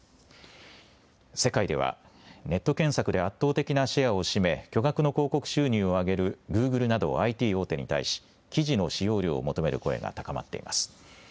世界ではネット検索で圧倒的なシェアを占め巨額の広告収入を上げるグーグルなどＩＴ大手に対し記事の使用料を求める声が高まっています。